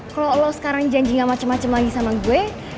kalo lo sekarang janji gak macem macem lagi sama gue